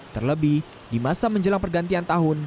terlebih di masa menjelang pergantian tahun